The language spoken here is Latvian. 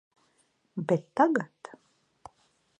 Bet tagad...